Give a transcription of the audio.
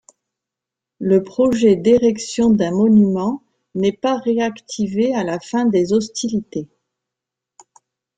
Le projet d'érection d'un monument n'est pas réactivé à la fin des hostilités.